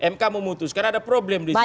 mk memutus karena ada problem disitu